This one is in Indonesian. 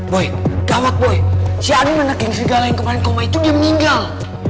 boy gawat boy si adun mana geng segala yang kemarin koma itu dia meninggal